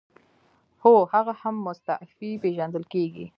هو هغه هم مستعفي پیژندل کیږي.